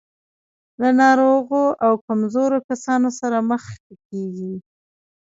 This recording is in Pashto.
له ناروغو او کمزورو کسانو سره مخ کېږي.